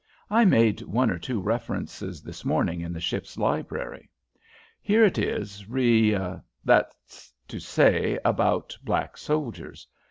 "I made one or two references this morning in the ship's library. Here it is re that's to say, about black soldiers.